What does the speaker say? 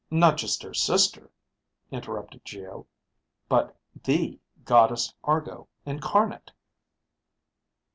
"Not just her sister," interrupted Geo, "but the Goddess Argo Incarnate."